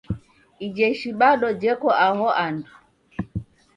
Ijeshi bado jeko aho andu.